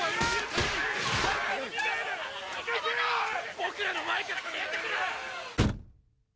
僕らの前から消えてくれ！